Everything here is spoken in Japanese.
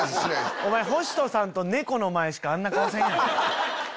お前星人さんと猫の前しかあんな顔せんやろ。